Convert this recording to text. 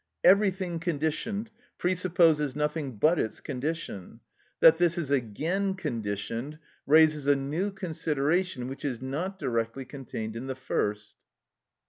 Everything conditioned presupposes nothing but its condition; that this is again conditioned raises a new consideration which is not directly contained in the first.